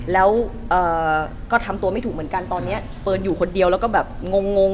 แล้วก็ทำตัวไม่ถูกเหมือนกันตอนนี้เฟิร์นอยู่คนเดียวแล้วก็แบบงง